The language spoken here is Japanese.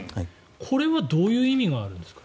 これはどういう意味があるんですか。